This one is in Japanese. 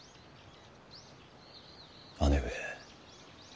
姉上。